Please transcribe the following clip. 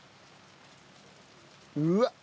うわっ！